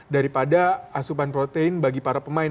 daripada asupan protein bagi para pemain